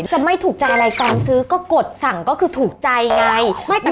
จะไม่ถูกใจอะไรตอนซื้อก็กดสั่งก็คือถูกใจไง